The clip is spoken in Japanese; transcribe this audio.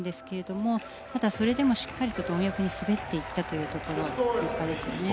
ただそれでもしっかりと貪欲に滑っていったというところ立派ですよね。